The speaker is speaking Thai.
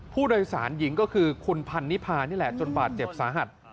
ผู้โดยสารหญิงก็คือคุณพันนิพานี่แหละจนบาดเจ็บสาหัส